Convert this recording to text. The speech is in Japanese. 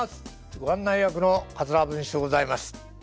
ご案内役の桂文枝でございます。